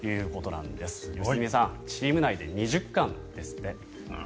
良純さんチーム内で２０冠ですって。